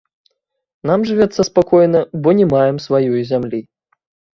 Нам жывецца спакойна, бо не маем сваёй зямлі.